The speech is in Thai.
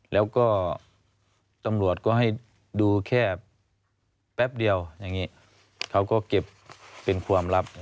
แล้วก็ตำรวจก็ให้ดูแค่แป๊บเดียวอย่างนี้เขาก็เก็บเป็นความลับ